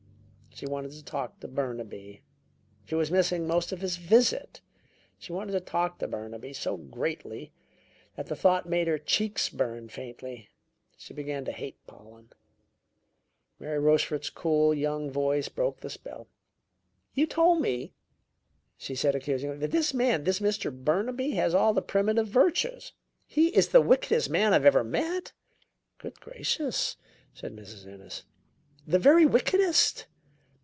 She wanted to talk to Burnaby. She was missing most of his visit. She wanted to talk to Burnaby so greatly that the thought made her cheeks burn faintly. She began to hate Pollen. Mary Rochefort's cool, young voice broke the spell. "You told me," she said accusingly, "that this man this Mr. Burnaby, has all the primitive virtues; he is the wickedest man I have ever met." "Good gracious!" said Mrs. Ennis. "The very wickedest!"